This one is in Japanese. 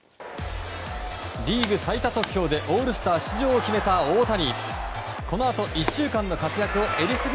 リーグ最多得票でオールスター出場を決めた大谷。